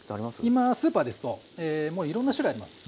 今スーパーですともういろんな種類あります。